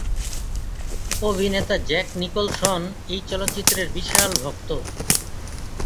অভিনেতা Jack Nicholson এই চলচ্চিত্রের বিশাল ভক্ত।